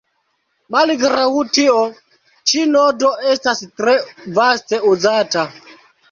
Malgraŭ tio, ĉi nodo estas tre vaste uzata.